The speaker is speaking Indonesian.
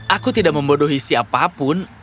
aku tidak membodohi siapapun